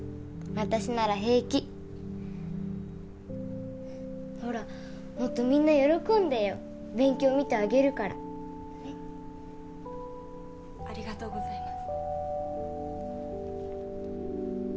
私なら平気ほらもっとみんな喜んでよ勉強見てあげるからねっありがとうございます